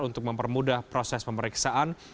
untuk mempermudah proses pemeriksaan